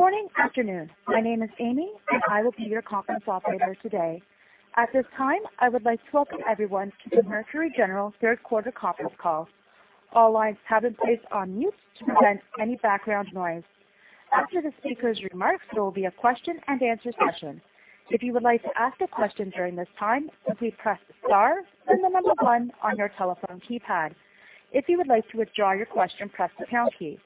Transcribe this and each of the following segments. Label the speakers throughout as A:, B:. A: Good morning, afternoon. My name is Amy, and I will be your conference operator today. At this time, I would like to welcome everyone to the Mercury General third quarter conference call. All lines have been placed on mute to prevent any background noise. After the speakers' remarks, there will be a question and answer session. If you would like to ask a question during this time, please press star then the number one on your telephone keypad. If you would like to withdraw your question, press the pound key.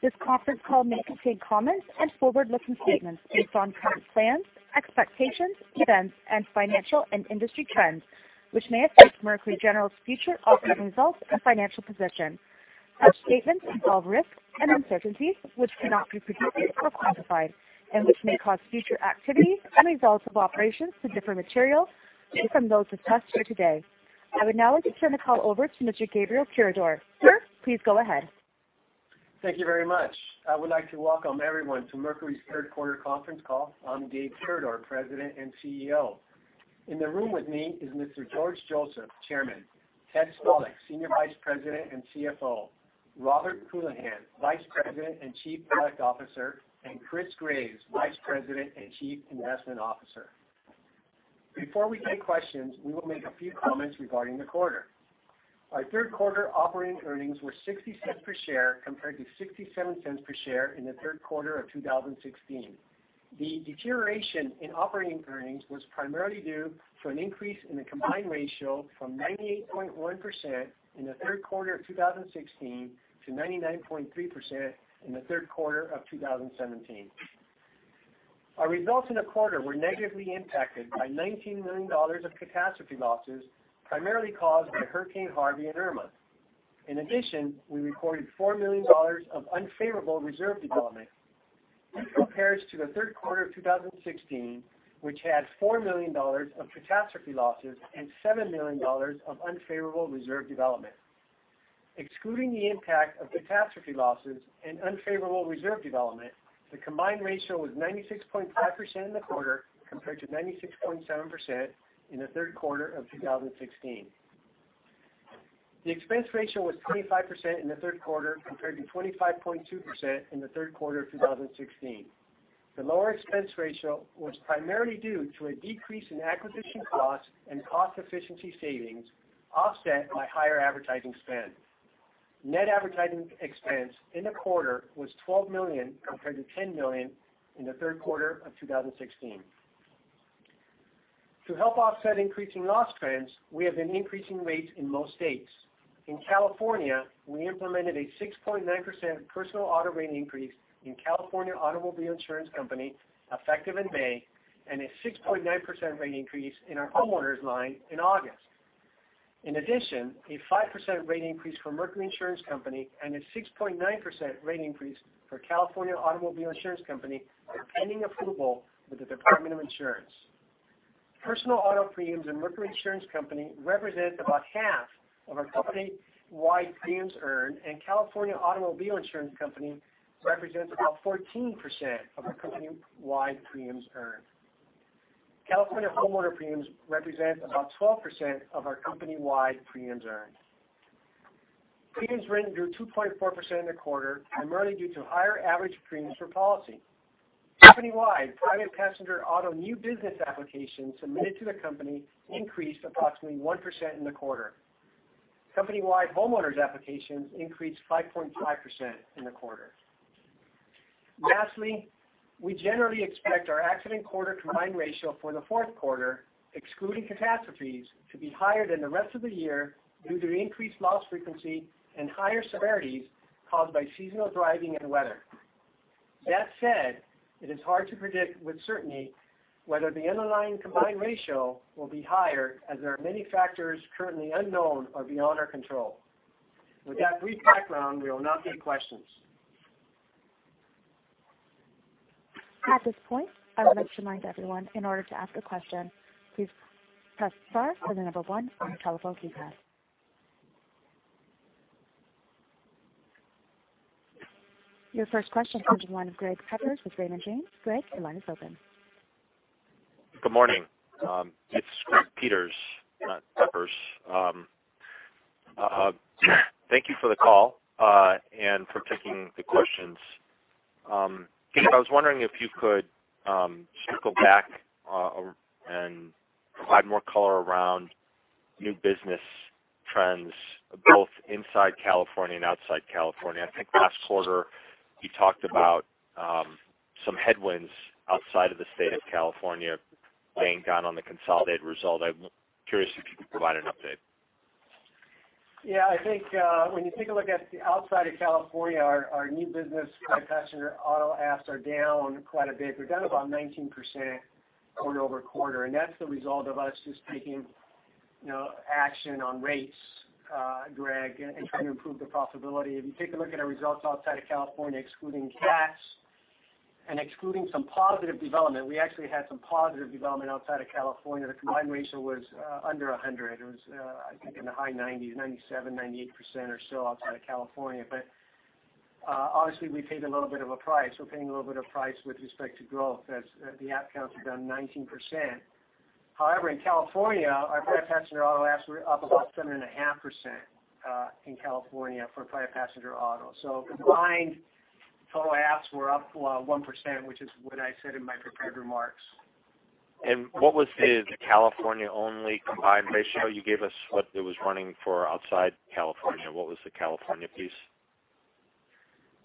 A: This conference call may contain comments and forward-looking statements based on current plans, expectations, events, and financial and industry trends, which may affect Mercury General's future operating results and financial position. Such statements involve risks and uncertainties which cannot be predicted or quantified, and which may cause future activities and results of operations to differ materially from those discussed here today. I would now like to turn the call over to Mr. Gabriel Tirador. Sir, please go ahead.
B: Thank you very much. I would like to welcome everyone to Mercury's third quarter conference call. I'm Gabe Tirador, President and CEO. In the room with me is Mr. George Joseph, Chairman, Ted Stalick, Senior Vice President and CFO, Robert Houlihan, Vice President and Chief Product Officer, and Chris Graves, Vice President and Chief Investment Officer. Before we take questions, we will make a few comments regarding the quarter. Our third quarter operating earnings were $0.60 per share, compared to $0.67 per share in the third quarter of 2016. The deterioration in operating earnings was primarily due to an increase in the combined ratio from 98.1% in the third quarter of 2016 to 99.3% in the third quarter of 2017. Our results in the quarter were negatively impacted by $19 million of catastrophe losses, primarily caused by Hurricane Harvey and Irma. In addition, we recorded $4 million of unfavorable reserve development. This compares to the third quarter of 2016, which had $4 million of catastrophe losses and $7 million of unfavorable reserve development. Excluding the impact of catastrophe losses and unfavorable reserve development, the combined ratio was 96.5% in the quarter, compared to 96.7% in the third quarter of 2016. The expense ratio was 25% in the third quarter, compared to 25.2% in the third quarter of 2016. The lower expense ratio was primarily due to a decrease in acquisition costs and cost efficiency savings, offset by higher advertising spend. Net advertising expense in the quarter was $12 million, compared to $10 million in the third quarter of 2016. To help offset increasing loss trends, we have been increasing rates in most states. In California, we implemented a 6.9% personal auto rate increase in California Automobile Insurance Company effective in May, and a 6.9% rate increase in our homeowners line in August. In addition, a 5% rate increase for Mercury Insurance Company and a 6.9% rate increase for California Automobile Insurance Company are pending approval with the Department of Insurance. Personal auto premiums in Mercury Insurance Company represent about half of our company-wide premiums earned, and California Automobile Insurance Company represents about 14% of our company-wide premiums earned. California homeowner premiums represent about 12% of our company-wide premiums earned. Premiums written grew 2.4% in the quarter, primarily due to higher average premiums per policy. Company-wide, private passenger auto new business applications submitted to the company increased approximately 1% in the quarter. Company-wide homeowners applications increased 5.5% in the quarter. Lastly, we generally expect our accident quarter combined ratio for the fourth quarter, excluding catastrophes, to be higher than the rest of the year due to increased loss frequency and higher severities caused by seasonal driving and weather. That said, it is hard to predict with certainty whether the underlying combined ratio will be higher as there are many factors currently unknown or beyond our control. With that brief background, we will now take questions.
A: At this point, I would like to remind everyone, in order to ask a question, please press star then the number one on your telephone keypad. Your first question comes in line with Greg Peters with Raymond James. Greg, your line is open.
C: Good morning. It's Greg Peters, not Peppers. Thank you for the call and for taking the questions. Gabe, I was wondering if you could just go back and provide more color around new business trends, both inside California and outside California. I think last quarter you talked about some headwinds outside of the state of California weighing down on the consolidated result. I'm curious if you could provide an update.
B: Yeah. I think when you take a look at outside of California, our new business private passenger auto apps are down quite a bit. They're down about 19% quarter-over-quarter, that's the result of us just taking action on rates, Greg, and trying to improve the profitability. If you take a look at our results outside of California, excluding cats and excluding some positive development, we actually had some positive development outside of California. The combined ratio was under 100. It was, I think in the high 90s, 97%, 98% or so outside of California. Obviously, we paid a little bit of a price. We're paying a little bit of price with respect to growth as the app counts are down 19%. In California, our private passenger auto apps were up about 7.5% in California for private passenger auto. Combined, total apps were up 1%, which is what I said in my prepared remarks.
C: What was the California only combined ratio? You gave us what it was running for outside California. What was the California piece?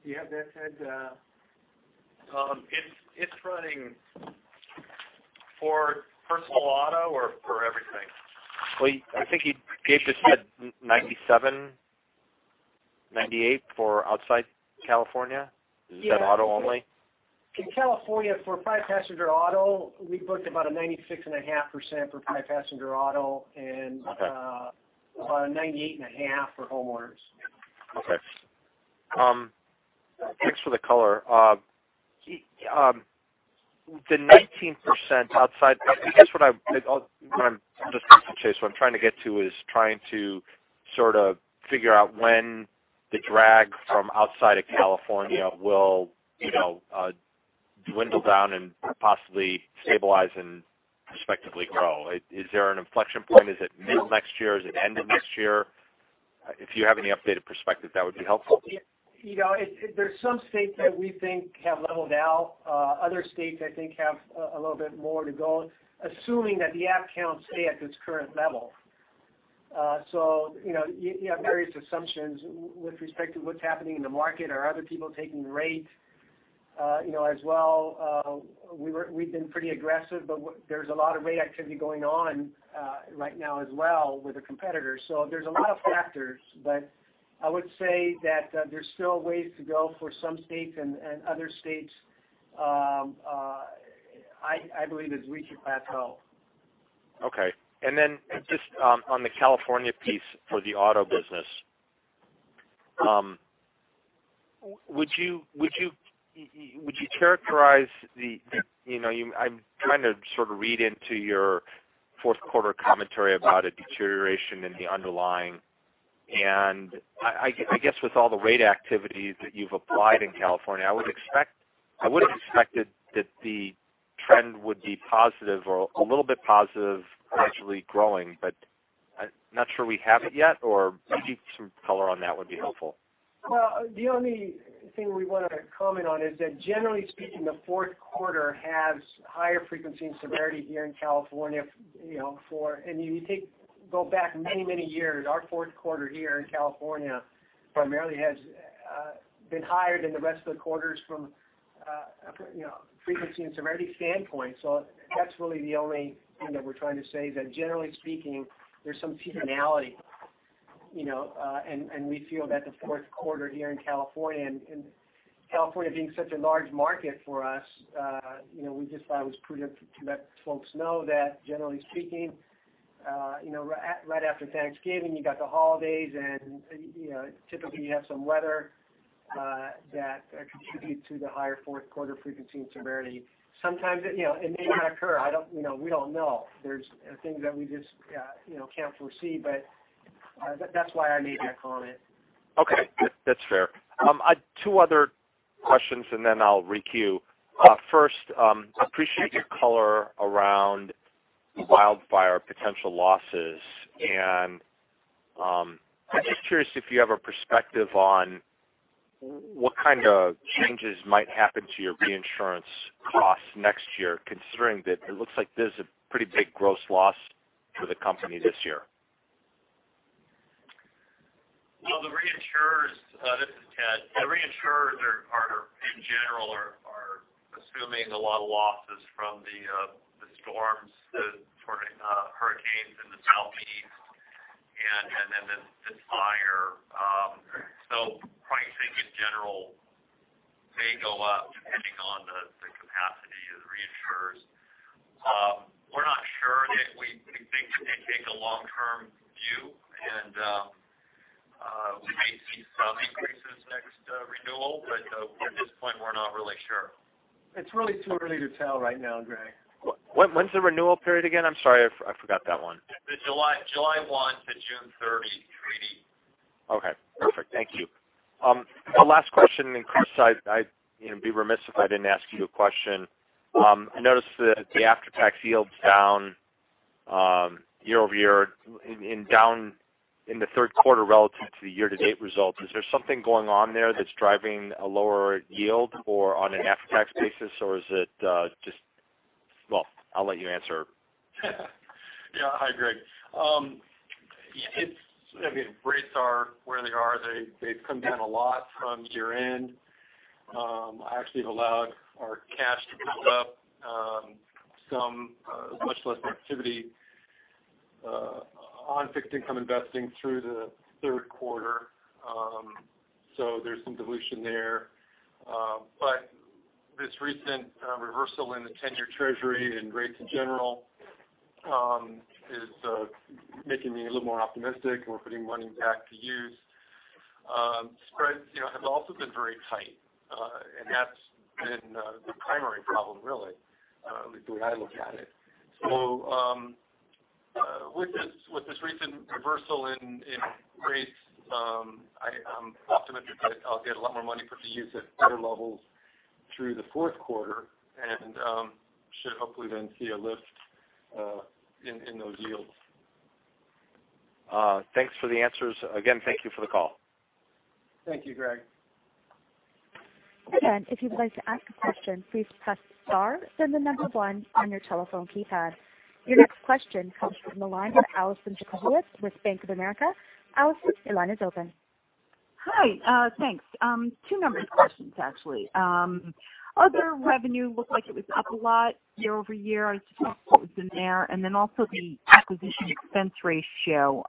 B: Do you have that, Ted?
D: It's running for personal auto or for everything?
C: Well, I think he gave the split 97/98 for outside California.
B: Yeah.
C: Is that auto only?
B: In California for private passenger auto, we booked about a 96.5% for private passenger auto.
C: Okay.
B: About a 98.5% for homeowners.
C: Okay. Thanks for the color. The 19% outside, I guess what I'm trying to get to is trying to sort of figure out when the drag from outside of California will dwindle down and possibly stabilize and respectively grow. Is there an inflection point? Is it mid next year? Is it end of next year? If you have any updated perspective, that would be helpful.
B: There's some states that we think have leveled out. Other states, I think, have a little bit more to go, assuming that the app counts stay at its current level. You have various assumptions with respect to what's happening in the market. Are other people taking rate as well? We've been pretty aggressive, there's a lot of rate activity going on right now as well with the competitors. There's a lot of factors, I would say that there's still a ways to go for some states, and other states, I believe is we should plateau.
C: Okay. Just on the California piece for the auto business. Would you characterize the, I'm trying to sort of read into your fourth quarter commentary about a deterioration in the underlying, I guess with all the rate activities that you've applied in California, I would've expected that the trend would be positive or a little bit positive, gradually growing, I'm not sure we have it yet, or maybe some color on that would be helpful.
B: Well, the only thing we want to comment on is that generally speaking, the fourth quarter has higher frequency and severity here in California. You go back many years, our fourth quarter here in California primarily has been higher than the rest of the quarters from a frequency and severity standpoint. That's really the only thing that we're trying to say, that generally speaking, there's some seasonality. We feel that the fourth quarter here in California, and California being such a large market for us, we just thought it was prudent to let folks know that generally speaking, right after Thanksgiving, you got the holidays, and typically you have some weather that contribute to the higher fourth quarter frequency and severity. Sometimes it may not occur. We don't know. There's things that we just can't foresee, but that's why I made that comment.
C: Okay. That's fair. Two other questions, then I'll re-queue. First, appreciate your color around wildfire potential losses. I'm just curious if you have a perspective on what kind of changes might happen to your reinsurance costs next year, considering that it looks like there's a pretty big gross loss for the company this year.
D: Well, the reinsurers, this is Ted. The reinsurers in general are assuming a lot of losses from the storms, the sort of hurricanes in the Southeast, then this fire. Pricing in general may go up depending on the capacity of the reinsurers. We're not sure yet. We think we may take a long-term view, we may see some increases next renewal, at this point, we're not really sure.
B: It's really too early to tell right now, Greg.
C: When's the renewal period again? I'm sorry, I forgot that one.
D: The July 1 to June 30 treaty.
C: Okay, perfect. Thank you. Last question, Chris, I'd be remiss if I didn't ask you a question. I noticed that the after-tax yield's down year-over-year and down in the third quarter relative to the year-to-date results. Is there something going on there that's driving a lower yield or on an after-tax basis, or is it just, well, I'll let you answer.
E: Yeah. Hi, Greg. Rates are where they are. They've come down a lot from year-end. Actually have allowed our cash to build up some much less activity on fixed income investing through the third quarter. There's some dilution there. This recent reversal in the 10-year Treasury and rates in general is making me a little more optimistic. We're putting money back to use. Spreads have also been very tight. That's been the primary problem, really, at least the way I look at it. With this recent reversal in rates, I'm optimistic that I'll get a lot more money to use at better levels through the fourth quarter and should hopefully then see a lift in those yields.
C: Thanks for the answers. Thank you for the call.
B: Thank you, Greg.
A: If you'd like to ask a question, please press star then the number 1 on your telephone keypad. Your next question comes from the line of Alison Jacob with Bank of America. Alison, your line is open.
F: Hi. Thanks. Two numbered questions, actually. Other revenue looked like it was up a lot year-over-year. I was just wondering what was in there, and then also the acquisition expense ratio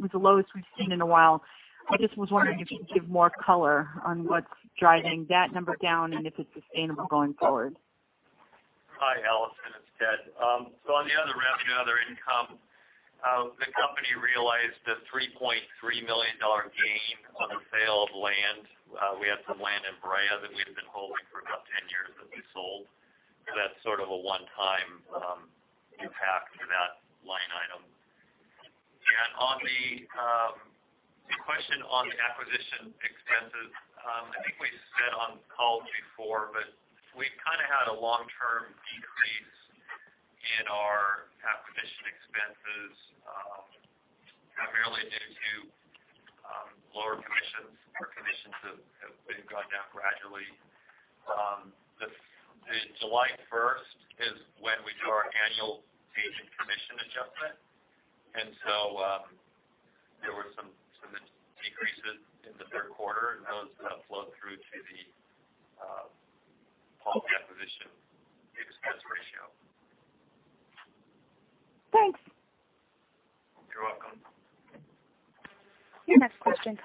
F: was the lowest we've seen in a while. I just was wondering if you could give more color on what's driving that number down and if it's sustainable going forward.
D: Hi, Alison, it's Ted. On the other revenue, other income, the company realized a $3.3 million gain on the sale of land. We had some land in Brea that we had been holding for about 10 years that we sold. That's sort of a one-time impact to that line item. On the question on the acquisition expenses, I think we said on calls before, but we kind of had a long-term decrease in our acquisition expenses, primarily due to lower commissions. Our commissions have gone down gradually. July 1st is when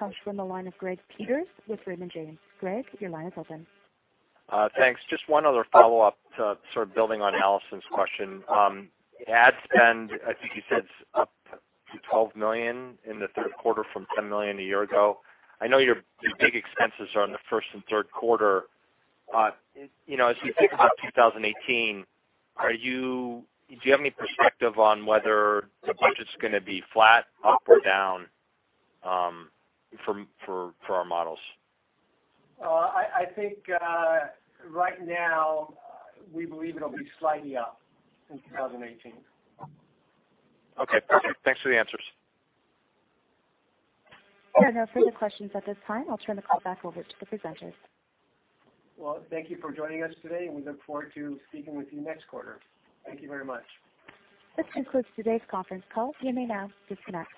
D: we do our annual agent commission adjustment, there were some decreases in the third quarter, and those flow through to the whole acquisition expense ratio.
F: Thanks.
D: You're welcome.
A: Your next question comes from the line of Greg Peters with Raymond James. Greg, your line is open.
C: Thanks. Just one other follow-up to sort of building on Alison's question. Ad spend, I think you said, is up to $12 million in the third quarter from $10 million a year ago. I know your big expenses are in the first and third quarter. As we think about 2018, do you have any perspective on whether the budget's going to be flat, up, or down for our models?
B: I think right now we believe it'll be slightly up in 2018.
C: Okay, perfect. Thanks for the answers.
A: There are no further questions at this time. I'll turn the call back over to the presenters.
B: Well, thank you for joining us today, and we look forward to speaking with you next quarter. Thank you very much.
A: This concludes today's conference call. You may now disconnect.